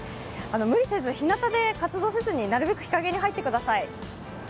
無理せずひなたで活動せずになるべく日陰に入ってください。